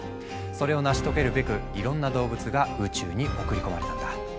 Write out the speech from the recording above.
それを成し遂げるべくいろんな動物が宇宙に送り込まれたんだ。